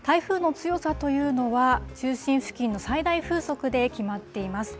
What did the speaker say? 台風の強さというのは、中心付近の最大風速で決まっています。